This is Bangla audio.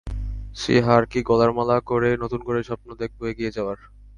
সেই হারকেই গলার মালা করে, নতুন করে স্বপ্ন দেখব এগিয়ে যাওয়ার।